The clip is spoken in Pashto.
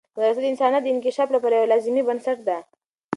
مدرسه د انسانیت د انکشاف لپاره یوه لازمي بنسټ ده.